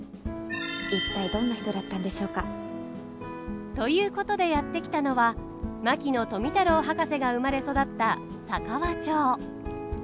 一体どんな人だったんでしょうか？ということでやって来たのは牧野富太郎博士が生まれ育った佐川町。